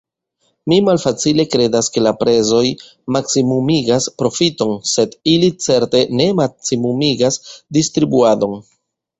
Mi malfacile kredas, ke la prezoj maksimumigas profiton, sed ili certe ne maksimumigas distribuadon.